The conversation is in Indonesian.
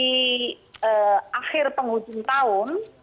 karena di akhir penghujung tahun